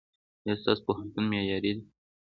ایا ستاسو پوهنتون معیاري دی؟